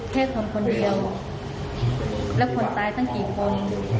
แค่คนคนเดียวแล้วคนตายตั้งกี่คน